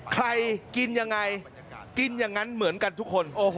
กินยังไงกินอย่างนั้นเหมือนกันทุกคน